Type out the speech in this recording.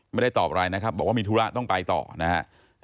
ไม่ได้ตอบอะไรนะครับบอกว่ามีธุระต้องไปต่อนะครับ